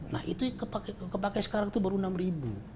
nah itu yang kepake sekarang itu baru enam ribu